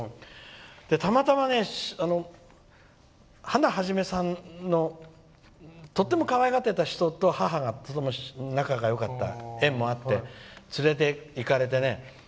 たまたまハナ肇さんがとってもかわいがってた人と母が仲がよかったという縁もあって連れていかれて。